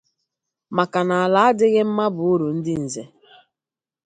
maka na ala adịghị mma bụ uru ndị nze.